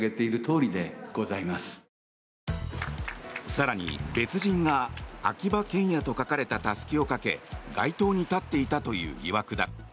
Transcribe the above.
更に、別人が秋葉賢也と書かれたたすきをかけ街頭に立っていたという疑惑だ。